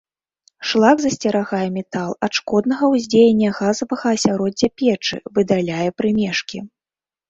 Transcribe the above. Шлак засцерагае метал ад шкоднага ўздзеяння газавага асяроддзя печы, выдаляе прымешкі.